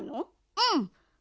うん。